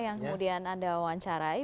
yang kemudian anda wawancarai